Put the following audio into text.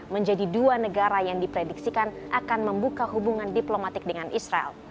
menjadi dua negara yang diprediksikan akan membuka hubungan diplomatik dengan israel